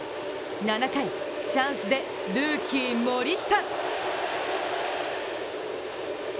７回、チャンスでルーキー・森下。